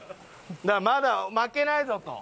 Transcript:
まだ負けないぞと。